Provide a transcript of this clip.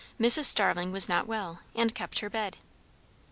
Starling was not well, and kept her bed.